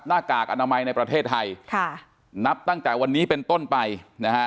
กากอนามัยในประเทศไทยค่ะนับตั้งแต่วันนี้เป็นต้นไปนะฮะ